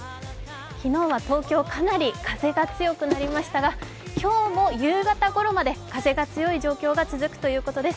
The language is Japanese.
昨日は東京、かなり風が強くなりましたが今日も夕方ごろまで風が強い状況が続くということです。